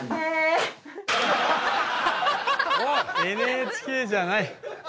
ＮＨＫじゃない。